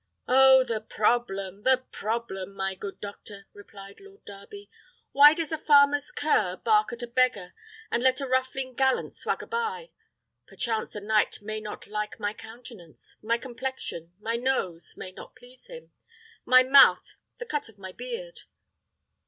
"Oh, the problem! the problem, my good doctor," replied Lord Darby. "Why does a farmer's cur bark at a beggar, and let a ruffling gallant swagger by? Perchance the knight may not like my countenance; my complexion, my nose, may not please him; my mouth, the cut of my beard."